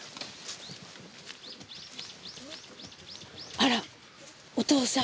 あらお父さん。